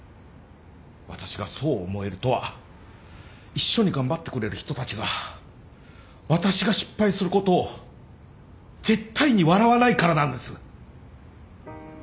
私がそう思えるとは一緒に頑張ってくれる人たちが私が失敗することを絶対に笑わないからなんです